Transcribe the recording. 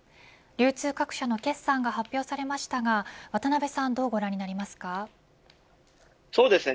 流通各社の決算が発表されましたが渡辺さんどうご覧になりますか。